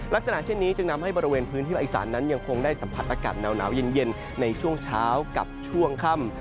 ลักษณะเช่นนี้จึงทำให้บริเวณพื้นที่ภาคอีสานนั้นยังคงได้สัมผัสอากาศหนาวเย็นในช่วงเช้ากับช่วงค่ำ